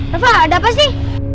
rafa ada apa sih